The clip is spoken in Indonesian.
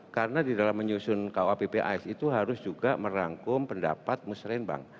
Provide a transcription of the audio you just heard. karena di dalam menyusun kuappis itu harus juga merangkum pendapat musrembang